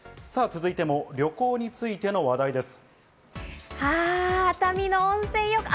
続いても旅行についての話題です。